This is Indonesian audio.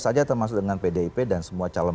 saja termasuk dengan pdip dan semua calon